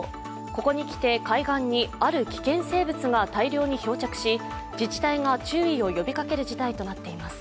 ここに来て、海岸にある危険生物が大量に漂着し、自治体が注意を呼びかける事態となっています。